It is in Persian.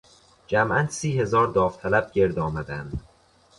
جمعا سی هزار داوطلب گردآمدند.